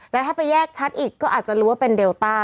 แล้วถ้าไปแยกชัดอีกก็อาจจะรู้ว่าเป็นเดลต้า